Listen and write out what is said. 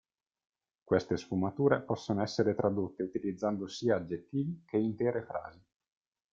Queste sfumature possono essere tradotte utilizzando sia aggettivi che intere frasi.